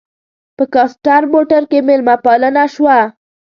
په کاسټر موټر کې مېلمه پالنه شوه.